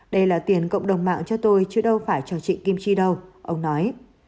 đây là tiền cộng đồng mạng cho tôi chứ đâu phải cho chị kim chi đâu ông nói